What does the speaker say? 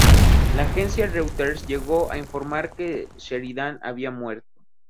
La agencia Reuters llegó a informar de que Sheridan había muerto..